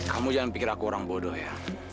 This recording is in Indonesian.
kamu jangan pikir aku orang bodoh ya